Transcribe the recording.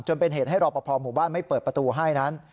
เป็นเหตุให้รอปภหมู่บ้านไม่เปิดประตูให้นั้น